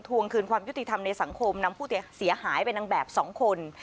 วงคืนความยุติธรรมในสังคมนำผู้เสียหายเป็นนางแบบ๒คน